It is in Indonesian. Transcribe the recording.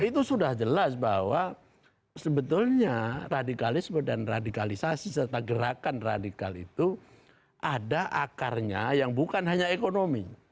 itu sudah jelas bahwa sebetulnya radikalisme dan radikalisasi serta gerakan radikal itu ada akarnya yang bukan hanya ekonomi